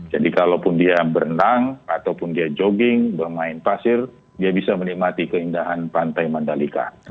jadi kalau pun dia berenang jogging bermain pasir dia bisa menikmati keindahan pantai mandalika